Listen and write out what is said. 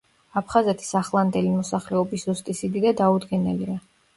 აფხაზეთის ახლანდელი მოსახლეობის ზუსტი სიდიდე დაუდგენელია.